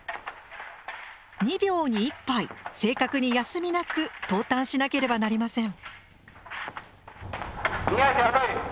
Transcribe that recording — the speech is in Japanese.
２秒に１杯正確に休みなく投炭しなければなりません。